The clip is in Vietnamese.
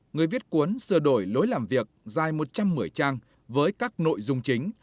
người viết cuốn sửa đổi lối làm việc dài một trăm một mươi trang với các nội dung chính